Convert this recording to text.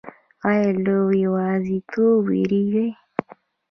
ایا له یوازیتوب ویریږئ؟